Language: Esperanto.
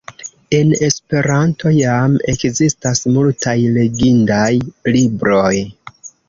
En Esperanto jam ekzistas multaj legindaj libroj.